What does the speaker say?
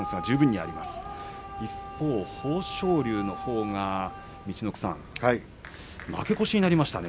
一方の豊昇龍、陸奥さん負け越しになりましたね。